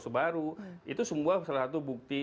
sebaru itu semua salah satu bukti